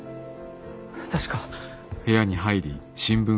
確か。